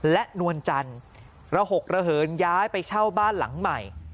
และนวลจันทร์ระหกระเหินย้ายไปเช่าบ้านหลังใหม่